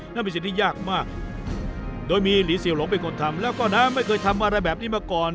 นั่นเป็นสิ่งที่ยากมากโดยมีหลีเสี่ยวหลงเป็นคนทำแล้วก็น้าไม่เคยทำอะไรแบบนี้มาก่อน